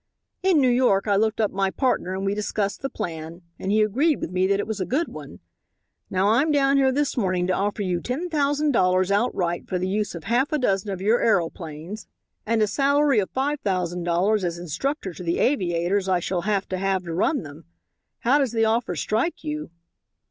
"In New York I looked up my partner and we discussed the plan and he agreed with me that it was a good one. Now, I'm down here this morning to offer you $10,000 outright for the use of half a dozen of your aeroplanes, and a salary of $5,000 as instructor to the aviators I shall have to have to run them. How does the offer strike you?"